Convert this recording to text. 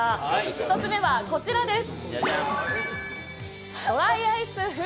１つ目はこちらです。